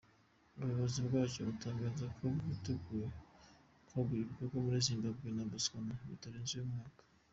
Ubuyobozi bwacyo butangaza ko bwiteguye kwagurira ibikorwa muri Zimbabwe na Botswana bitarenze uyu mwaka.